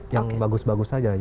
yang bagus bagus saja